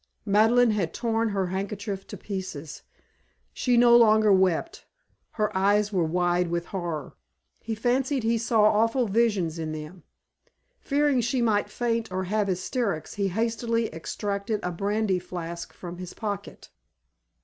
Madeleine had torn her handkerchief to pieces. She no longer wept. Her eyes were wide with horror. He fancied he saw awful visions in them. Fearing she might faint or have hysterics, he hastily extracted a brandy flask from his pocket.